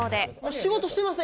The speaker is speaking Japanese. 仕事してません。